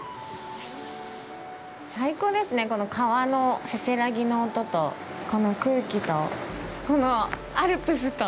最高ですね、この川のせせらぎの音と、この空気と、このアルプスと。